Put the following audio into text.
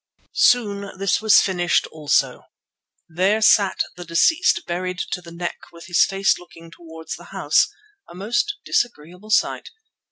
Soon this was finished also. There sat the deceased buried to the neck with his face looking towards the house, a most disagreeable sight.